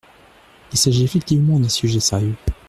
Il s’agit effectivement d’un sujet sérieux.